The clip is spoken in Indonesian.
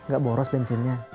gak boros bensinnya